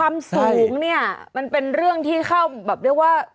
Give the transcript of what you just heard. ความสูงเนี่ยมันเป็นเรื่องที่เข้าแบบเรียกว่า